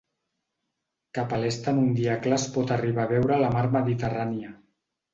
Cap a l'est en un dia clar es pot arribar a veure la mar Mediterrània.